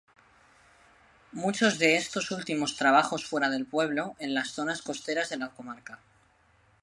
Muchos de estos últimos trabajan fuera del pueblo, en zonas costeras de la Comarca.